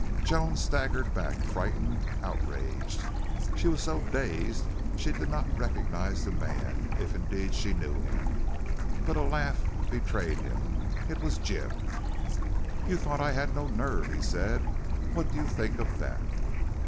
Joan staggered back, frightened, outraged. She was so dazed she did not recognize the man, if indeed she knew him. But a laugh betrayed him. It was Jim. "You thought I had no nerve," he said. "What do you think of that?"